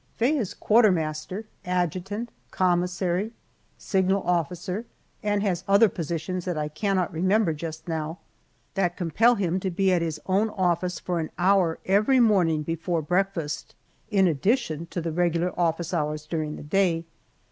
Faye is quartermaster, adjutant, commissary, signal officer, and has other positions that I cannot remember just now, that compel him to be at his own office for an hour every morning before breakfast, in addition to the regular office hours during the day.